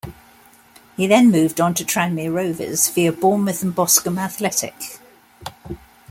He then moved on to Tranmere Rovers via Bournemouth and Boscombe Athletic.